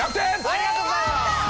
ありがとうございます！